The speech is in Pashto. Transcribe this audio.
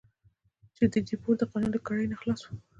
چې د دیپورت د قانون له کړۍ نه خلاص وو.